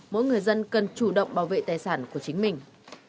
mỗi người dân cần chủ động bảo vệ tài sản của chính mình